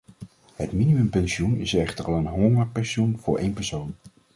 Het minimumpensioen is echter al een hongerpensioen voor één persoon!